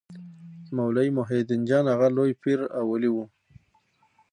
مولوي محي الدین جان اغا لوی پير او ولي و.